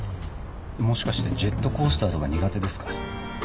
もしかしてジェットコースターとか苦手ですか？